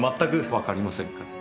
わかりませんか？